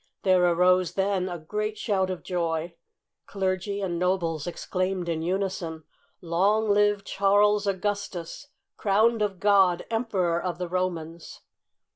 There arose then a great shout of joy. Clergy and nobles exclaimed in unison :" Long live Charles Augus tus, Crowned of God, Emperor of the Romans